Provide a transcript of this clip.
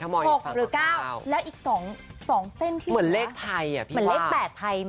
๖หรือ๙แล้วอีก๒เส้นที่เหมือนเลข๘ไทยไหม